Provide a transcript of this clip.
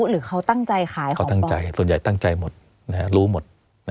หรือเขาตั้งใจขายเขาตั้งใจส่วนใหญ่ตั้งใจหมดรู้หมด